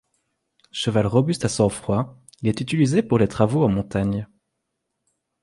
Cheval robuste à sang froid, il est utilisé pour les travaux en montagne.